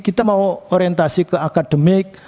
kita mau orientasi ke akademik